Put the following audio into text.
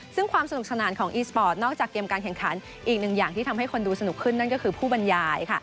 ซึ่งความสนุกสนานของอีสปอร์ตนอกจากเกมการแข่งขันอีกหนึ่งอย่างที่ทำให้คนดูสนุกขึ้นนั่นก็คือผู้บรรยาย